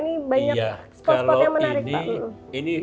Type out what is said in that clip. ini banyak spot spot yang menarik pak guru